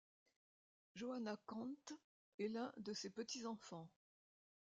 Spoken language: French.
Johanna Quandt est l'un de ses petits-enfants.